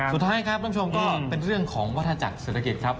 สุดท้ายครับท่านผู้ชมก็เป็นเรื่องของวัฒนาจักรเศรษฐกิจครับ